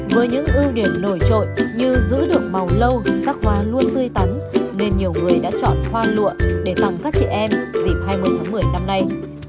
với những ưu điểm nổi trội như giữ được màu lâu sắc hoa luôn tươi tắn nên nhiều người đã chọn hoa lụa để tặng các chị em dịp hai mươi tháng một mươi năm nay